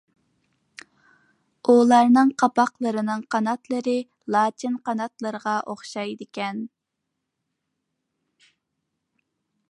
ئۇلارنىڭ قالپاقلىرىنىڭ قاناتلىرى لاچىن قاناتلىرىغا ئوخشايدىكەن.